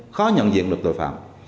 khó nhận diện được tội phạm